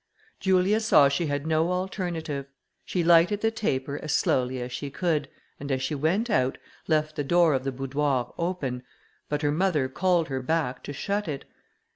Julia saw she had no alternative; she lighted the taper as slowly as she could, and as she went out, left the door of the boudoir open; but her mother called her back to shut it.